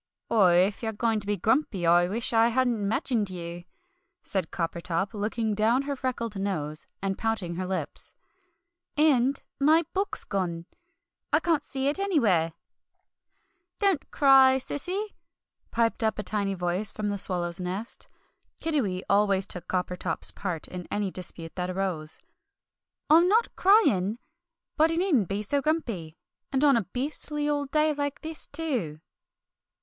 "Oh, if you're going to be grumpy, I shall wish I hadn't 'magined you," said Coppertop, looking down her freckled nose and pouting her lips; "and my book's gone! I can't see it anywhere!" "Don't cry, Cece!" piped up a tiny voice from the swallow's nest. Kiddiwee always took Coppertop's part in any dispute that arose. "I'm not crying! But he needn't be so grumpy, and on a beastly old day like this, too!"